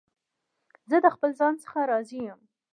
زه د خپل ځان څخه راضي یم.